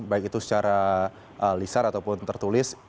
baik itu secara lisar ataupun tertulis